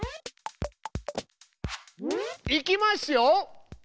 いきますよ。